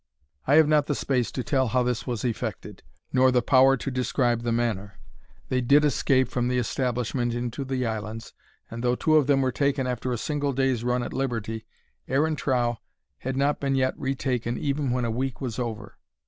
I have not the space to tell how this was effected, nor the power to describe the manner. They did escape from the establishment into the islands, and though two of them were taken after a single day's run at liberty, Aaron Trow had not been yet retaken even when a week was over.